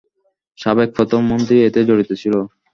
সাবেক প্রধানমন্ত্রী এতে জড়িত ছিলো।